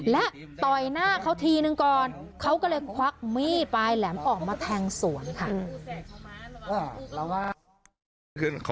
และต่อยหน้าเขาทีนึงก่อนเขาก็เลยควักมีดปลายแหลมออกมาแทงสวนค่ะ